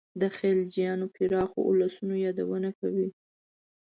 د خلجیانو پراخو اولسونو یادونه کوي.